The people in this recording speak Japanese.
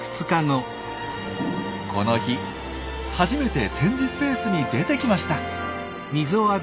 この日初めて展示スペースに出てきました！